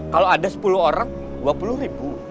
kalau ada sepuluh orang dua puluh ribu